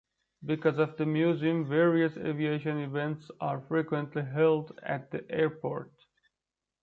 Because of the museum, various aviation events are frequently held at the airport.